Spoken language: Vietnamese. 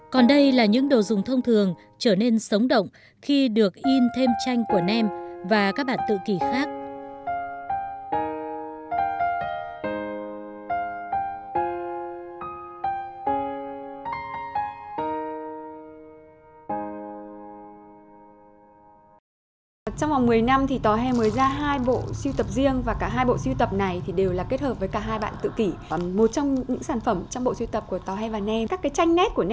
còn đây là những đồ dùng thông thường trở nên sống động khi được in thêm tranh của nem và các bạn tự kỷ khác